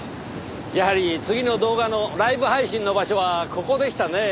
やはり次の動画のライブ配信の場所はここでしたねぇ。